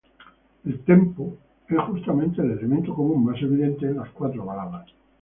El "tempo" es justamente el elemento común más evidente en las cuatro baladas.